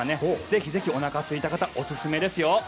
ぜひぜひ、おなかすいた方おすすめですよ。